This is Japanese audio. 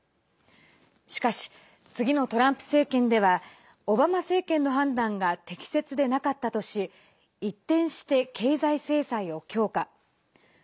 しかし、次のトランプ政権ではオバマ政権の判断が適切でなかったとし一転して経済制裁を強化。